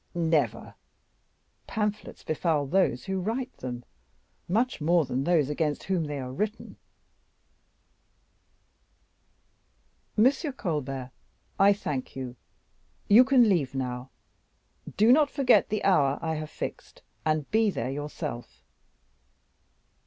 "Never! Pamphlets befoul those who write them much more than those against whom they are written. M. Colbert, I thank you. You can leave now. Do not forget the hour I have fixed, and be there yourself."